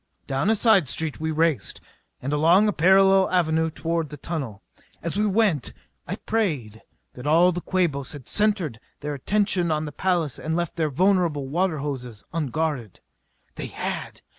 Down a side street we raced, and along a parallel avenue toward the tunnel. As we went I prayed that all the Quabos had centered their attention on the palace and left their vulnerable water hoses unguarded. They had!